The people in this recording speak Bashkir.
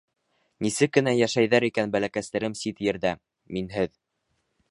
Нисек кенә йәшәйҙәр икән бәләкәстәрем сит ерҙә, минһеҙ...